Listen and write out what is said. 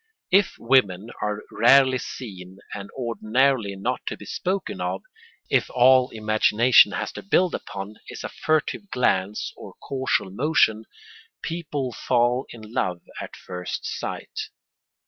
If women are rarely seen and ordinarily not to be spoken to; if all imagination has to build upon is a furtive glance or casual motion, people fall in love at first sight.